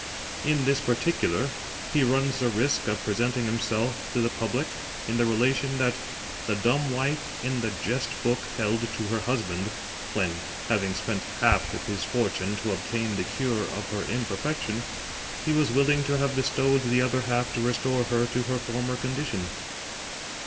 In this particular he runs the risk of presenting himself to the public in the relation that the dumb wife in the jest book held to her husband, when, having spent half of his fortune to obtain the cure of her imperfection, he was willing to have bestowed the other half to restore her to her former condition.